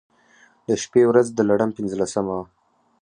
د شبې و رځ د لړم پنځلسمه وه.